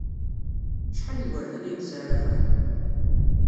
Acḥal n yigerdan ay yesɛa Rabaḥ?